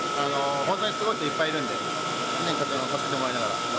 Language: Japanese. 本当にすごい人いっぱいいるんで、みんなに助けてもらいながら頑